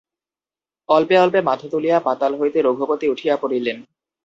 অল্পে অল্পে মাথা তুলিয়া পাতাল হইতে রঘুপতি উঠিয়া পড়িলেন।